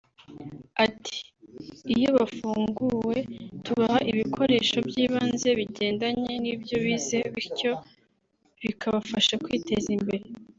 Ati”Iyo bafunguwe tubaha ibikoresho by’ibanze bigendanye n’ibyo bize bityo bikabafasha kwiteza mbere